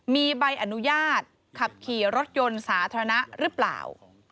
มีใบอนุญาตขับขี่รถยนต์สาธารณะหรือเปล่า